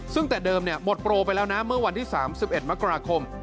ซึ่งแต่เดิมหมดโปรไปแล้วนะเมื่อวันที่๓๑มกราคม